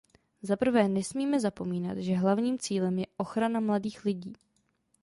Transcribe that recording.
Zaprvé nesmíme zapomínat, že hlavním cílem je ochrana mladých lidí.